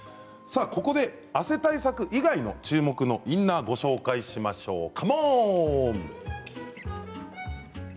ここで汗対策以外の注目のインナーをご紹介しましょう。